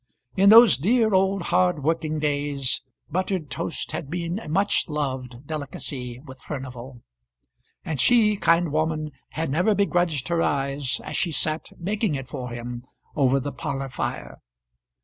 In those dear old hard working days, buttered toast had been a much loved delicacy with Furnival; and she, kind woman, had never begrudged her eyes, as she sat making it for him over the parlour fire.